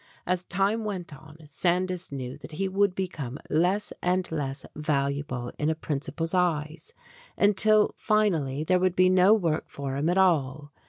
As time went on, Sandys knew that he would become less and less valuable in a principal's eyes, until finally there would be no work for him at all.